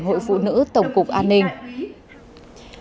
hội phụ nữ tổng cục an ninh